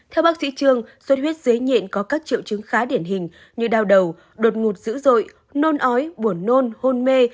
theo bác sĩ trương suất huyết dế nhện có các triệu chứng khá điển hình như đau đầu đột ngụt dữ dội nôn ói buồn nôn hôn mê